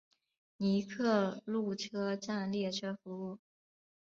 尼克路车站列车服务。